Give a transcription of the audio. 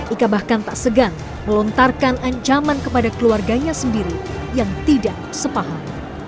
ika bahkan tak segan melontarkan ancaman kepada keluarganya sendiri yang tidak sepaham